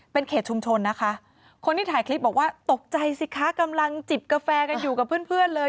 เป็นเขตชุมชนนะคะคนที่ถ่ายคลิปบอกว่าตกใจสิคะกำลังจิบกาแฟกันอยู่กับเพื่อนเพื่อนเลย